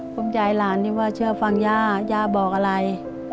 ภูมิใจหลานนี่ว่าเชื่อฟังย่าย่าบอกอะไร